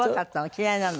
嫌いなの？